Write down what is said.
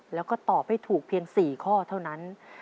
แล้วก็ตอบให้ถูกเพียง๔ข้อเท่านั้น